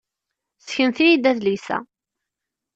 Seknet-iyi-d adlis-a!